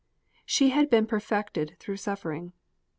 She had been perfected through suffering.